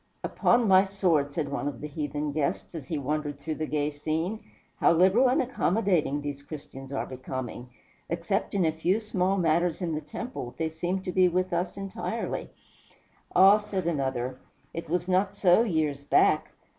"Upon my sword," said one of the heathen guests, as he wandered through the gay scene, "how liberal and accommodating these Christians are becoming! Except in a few small matters in the temple, they seem to be with us entirely." "Ah," said another, "it was not so years back.